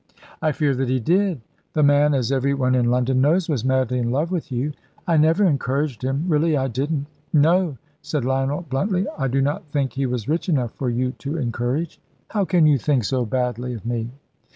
"I fear that he did. The man, as every one in London knows, was madly in love with you." "I never encouraged him really I didn't." "No," said Lionel, bluntly. "I do not think he was rich enough for you to encourage." "How can you think so badly of me?"